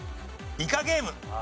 『イカゲーム』。